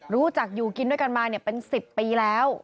รู้จักอยู่กินด้วยกันมาเป็น๑๐ปีแล้ว